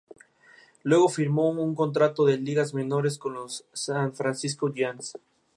Luego firmó un contrato de ligas menores con los San Francisco Giants.